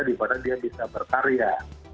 dimana dia bisa berkarya